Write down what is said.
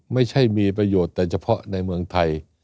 ไม่ใช่มีประโยชน์แต่เฉพาะในเมืองไทย